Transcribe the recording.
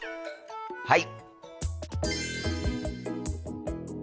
はい！